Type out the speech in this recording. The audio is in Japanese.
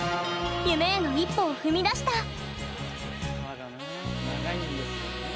夢への一歩を踏み出した。